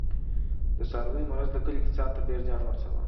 د څارویو مرض د کلي اقتصاد ته ډېر زیان ورساوه.